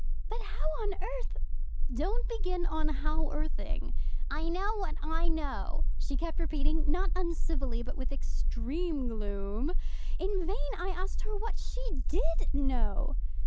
"But how on earth " "Don't begin how on earthing. 'I know what I know,' she kept repeating, not uncivilly, but with extreme gloom. In vain I asked her what she did know.